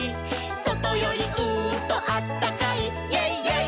「そとよりうーんとあったかい」「イェイイェイ！